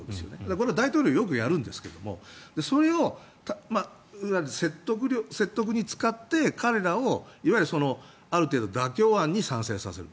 これ、大統領はよくやるんですがそれを説得に使って彼らをいわゆる、ある程度の妥協案に賛成させると。